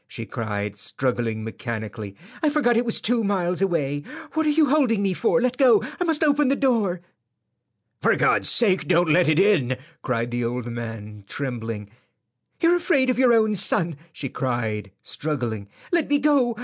she cried, struggling mechanically. "I forgot it was two miles away. What are you holding me for? Let go. I must open the door." "For God's sake don't let it in," cried the old man, trembling. "You're afraid of your own son," she cried, struggling. "Let me go.